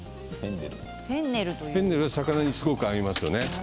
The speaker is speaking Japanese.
フェンネルは魚にすごく合いますね。